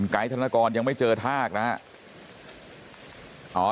ธนกรยังไม่เจอทากนะครับ